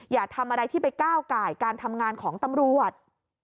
อย่าทำอะไรที่ไปก้าวไก่การทำงานของตำรวจ